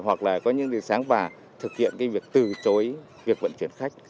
hoặc là có những điều sáng và thực hiện cái việc từ chối việc vận chuyển khách